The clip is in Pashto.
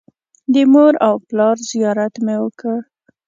د مور او پلار زیارت مې وکړ.